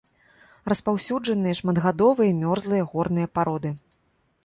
Распаўсюджаныя шматгадовыя мёрзлыя горныя пароды.